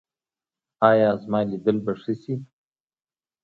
ایا زما لیدل به ښه شي؟